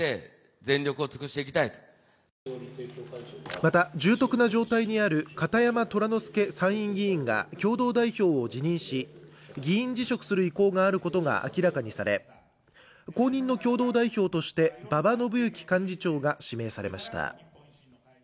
また、重篤な状態にある片山虎之助参院議員が共同代表を辞職し、議員辞職する意向があることが明らかにされ後任の共同代表として馬場伸幸幹事長が指名されました。